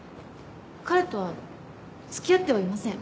彼とはつきあってはいません。